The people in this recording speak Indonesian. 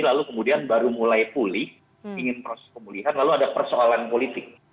lalu kemudian baru mulai pulih ingin proses pemulihan lalu ada persoalan politik